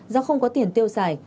do không có tiền tiêu xài